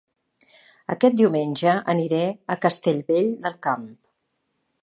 Aquest diumenge aniré a Castellvell del Camp